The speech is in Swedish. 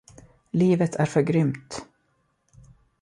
Livet är för grymt.